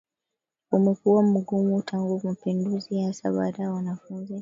umekuwa mgumu tangu mapinduzi hasa baada ya wanafunzi